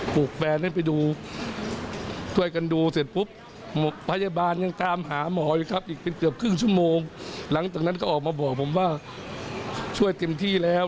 เพราะฉะนั้นก็ออกมาบอกผมว่าช่วยกินที่แล้ว